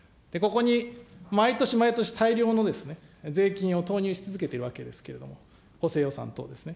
ここに毎年、毎年大量の税金を投入し続けているわけですけれども、補正予算等ですね。